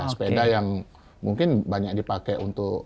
sepeda yang mungkin banyak dipakai untuk